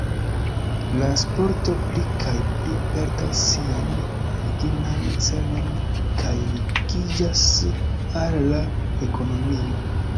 La sporto pli kaj pli perdas sian originan celon kaj ligiĝas al ekonomio.